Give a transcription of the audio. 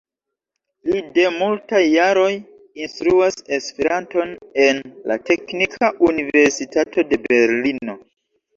Li de multaj jaroj instruas Esperanton en la Teknika Universitato de Berlino.